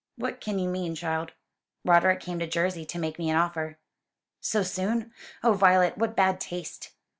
"What can you mean, child?" "Roderick came to Jersey to make me an offer." "So soon! Oh, Violet, what bad taste!"